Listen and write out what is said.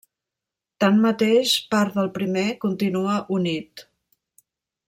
Tanmateix, part del primer continua unit.